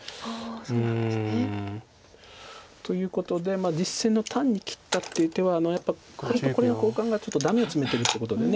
そうなんですね。ということで実戦の単に切ったっていう手はやっぱこれとこれの交換がちょっとダメをツメてるってことで。